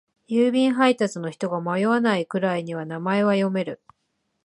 郵便配達の人が迷わないくらいには名前は読める。